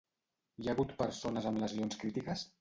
Hi ha hagut persones amb lesions crítiques?